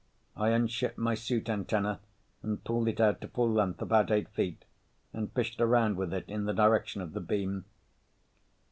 I unshipped my suit antenna and pulled it out to full length—about eight feet—and fished around with it in the direction of the beam.